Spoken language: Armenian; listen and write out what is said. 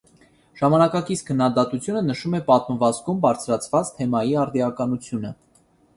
Ժամանակակից քննադատությունը նշում է պատմվածքում բարձրացված թեմայի արդիականությունը։